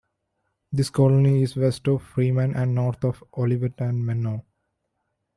This colony is west of Freeman and north of Olivet and Menno.